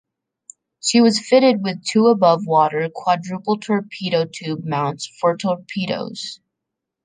She was fitted with two above-water quadruple torpedo tube mounts for torpedoes.